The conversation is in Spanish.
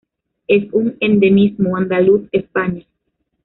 Es un endemismo andaluz, España.